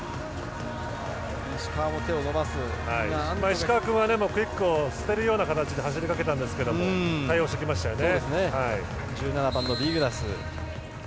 石川君はクイックを捨てるような形で走りかけたんですけど対応してきましたよね。